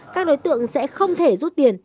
các đối tượng sẽ không thể rút tiền